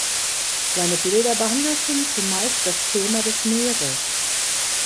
Seine Bilder behandelten zumeist das Thema des Meeres.